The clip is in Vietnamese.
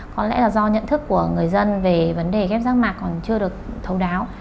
có lẽ là do nhận thức của người dân về vấn đề ghép rác mạc còn chưa được thấu đáo